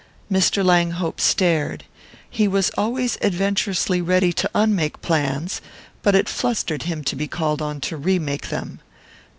Mr. Langhope stared: he was always adventurously ready to unmake plans, but it flustered him to be called on to remake them.